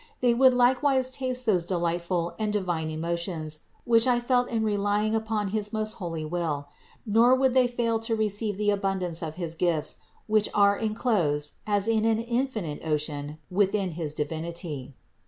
They would likewise taste those delightful and divine emotions which I felt in relying upon his most holy will; nor would' they fail to receive the abundance of his gifts, which are enclosed as in an infinite ocean within his Divinity.